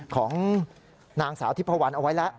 ของนางสาวทิพพวันเอาไว้แล้ว